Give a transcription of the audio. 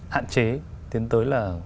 hạn chế đến tới là